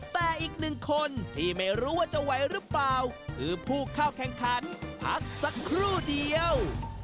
แต่อีกหนึ่งคนที่ไม่รู้ว่าจะไหวหรือเปล่าคือผู้เข้าแข่งขันพักสักครู่เดียว